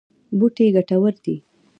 بوټي ګټور دي.